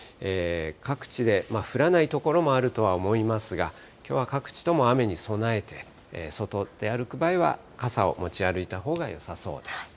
各地で、降らない所もあるとは思いますが、きょうは各地とも雨に備えて、外を出歩く場合は傘を持ち歩いたほうがよさそうです。